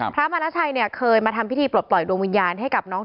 พระมานาชัยเคยมาทำพิธีปลดปล่อยดวงวิญญาณ